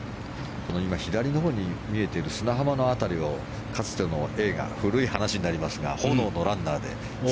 今、左のほうに見えている砂浜当たりのかつての映画古い話になりますが「炎のランナーで」